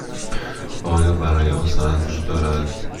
آیا برای آن سند وجود دارد؟